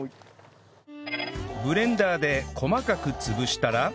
ブレンダーで細かく潰したら